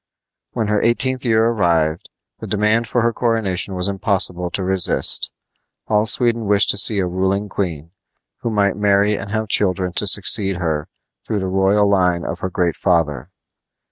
When her eighteenth year arrived, the demand for her coronation was impossible to resist. All Sweden wished to see a ruling queen, who might marry and have children to succeed her through the royal line of her great father.